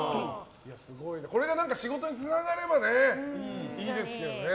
これが仕事につながればいいですけどね。